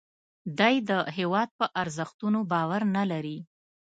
دی د هیواد په ارزښتونو باور نه لري